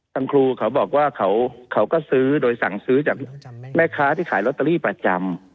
ทางครูเขาบอกว่าเขาก็ซื้อโดยสั่งซื้อจากแม่ค้าที่ขายลอตเตอรี่ประจำ